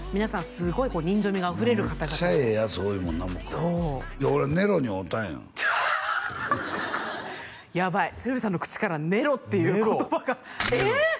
すごいこう人情味があふれる方々でめっちゃええヤツ多いもんなそういや俺ネロに会うたんややばい鶴瓶さんの口からネロっていう言葉がえっ！？